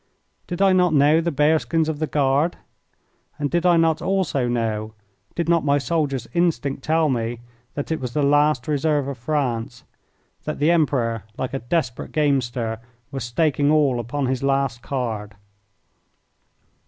Did I not know the bearskins of the Guard? And did I not also know, did not my soldier's instinct tell me, that it was the last reserve of France; that the Emperor, like a desperate gamester, was staking all upon his last card?